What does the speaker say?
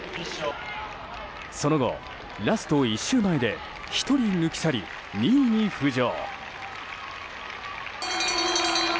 その後、ラスト１周前で１人抜き去り、２位に浮上。